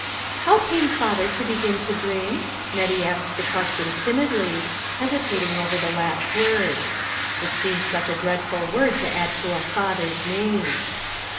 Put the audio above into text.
" How came father to begin to drink ?" Net NEW FBLENDS. 71 tie asked the question timidly, hesitating over the last word ; it seemed such a dreadful word to add to a father's name.